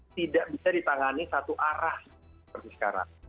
tidak bisa ditangani satu arah seperti sekarang